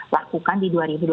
lakukan di dua ribu dua puluh